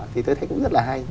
thì tôi thấy cũng rất là hay